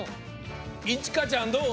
いちかちゃんどう？